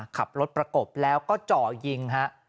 ขับรถประกบแล้วก็จ่อยิงฮะ